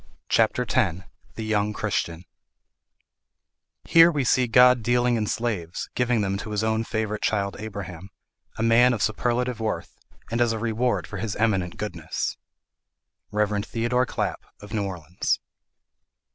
CHAPTER X THE YOUNG CHRISTIAN "Here we see God dealing in slaves; giving them to his own favourite child [Abraham], a man of superlative worth, and as a reward for his eminent goodness." Rev. Theodore Clapp, of New Orleans.